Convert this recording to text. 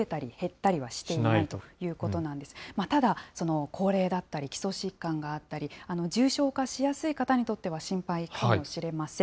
ただ、高齢だったり、基礎疾患があったり、重症化しやすい方にとっては心配かもしれません。